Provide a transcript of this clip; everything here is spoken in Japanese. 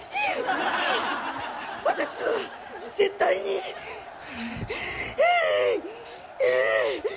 私は絶対にひぃ！